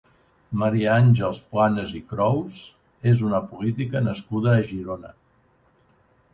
Maria Àngels Planas i Crous és una política nascuda a Girona.